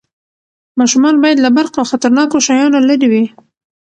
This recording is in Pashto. ماشومان باید له برق او خطرناکو شیانو لرې وي.